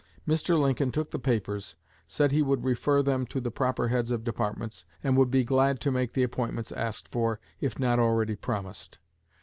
Mr. Lincoln took the papers, said he would refer them to the proper heads of departments, and would be glad to make the appointments asked for, if not already promised.